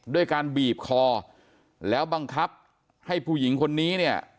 ด้วยการบีบคอแล้วบังคับให้ผู้หญิงคนนี้เนี่ย